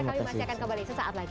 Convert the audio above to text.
kami masih akan kembali sesaat lagi